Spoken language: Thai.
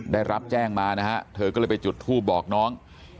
ได้รับแจ้งมานะฮะเธอก็เลยไปจุดทูบบอกน้อง